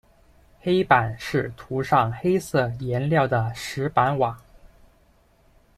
黑板是涂上黑色颜料的石板瓦。